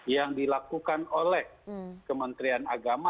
yang dilakukan oleh kementerian agama